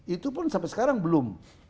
itu pun sampai sekarang belum